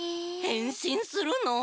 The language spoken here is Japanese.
へんしんするの？